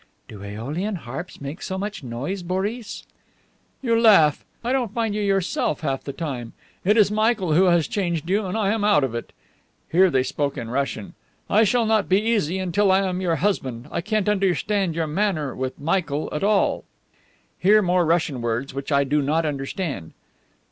"Do AEolian harps make so much noise, Boris?" "You laugh? I don't find you yourself half the time. It is Michael who has changed you, and I am out of it. (Here they spoke in Russian.) I shall not be easy until I am your husband. I can't understand your manner with Michael at all." (Here more Russian words which I do not understand.)